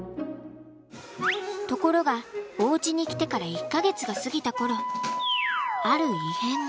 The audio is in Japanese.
ところがおうちに来てから１か月が過ぎた頃ある異変が。